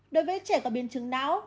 đối với trẻ có biên chứng não